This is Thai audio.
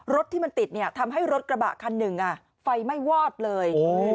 รถที่มันติดเนี่ยทำให้รถกระบะคันหนึ่งไฟไม่วอดเลย